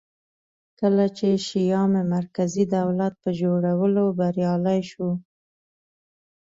کله چې شیام مرکزي دولت په جوړولو بریالی شو